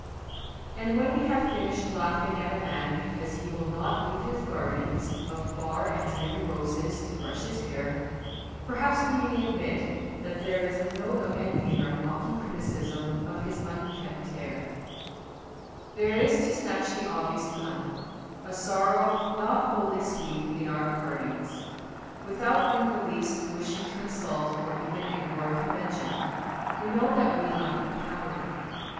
And when we have finished laughing at a man because he will not leave his gardens of far and dreamy roses to brush his hair, perhaps we may admit that there is a note of envy in our mocking criticism of his un kempt head. There is, to snatch the obvious pun, a sorrow not wholly sweet in our part ings. Without in the least wishing to insult or even ignore convention, we know that we lack the power.